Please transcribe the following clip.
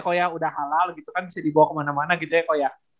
ko ya udah halal gitu kan bisa dibawa kemana mana gitu ya ko ya